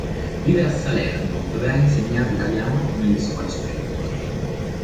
Vive a Salerno dove ha insegnato Italiano nelle scuole superiori.